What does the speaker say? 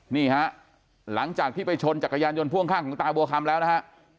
นี่ฮะหลังจากที่ไปชนจักรยานยนต์พ่วงข้างของตาบัวคำแล้วนะฮะ